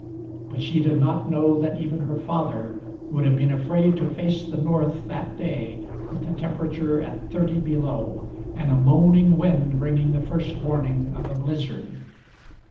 But she did not know that even her father would have been afraid to face the north that day, with the temperature at thirty below, and a moaning wind bringing the first warning of a blizzard.